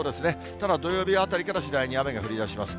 ただ、土曜日あたりから次第に雨が降りだします。